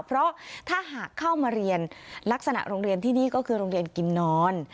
เพราะถ้าหากเข้ามาเรียนลักษณะโรงเรียนที่นี่ก็คือโรงเรียนกินนอน